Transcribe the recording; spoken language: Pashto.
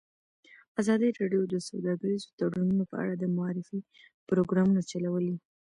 ازادي راډیو د سوداګریز تړونونه په اړه د معارفې پروګرامونه چلولي.